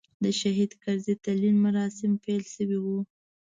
د شهید کرزي تلین مراسیم پیل شوي و.